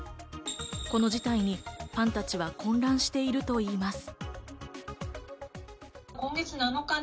この事態にファンたちは混乱しているといいます。